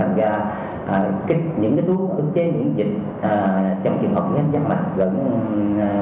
ngay sau đó hai bệnh nhân được tiếp tục theo dõi chăm sóc sức khỏe tại khoa mắt bệnh viện nguyễn trãi